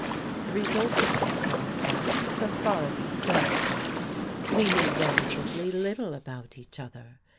The result of this was that, so far as externals THE FIRST COVERT went, we knew relatively little about each other.